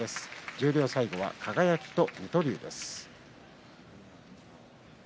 十両最後は輝と水戸龍です。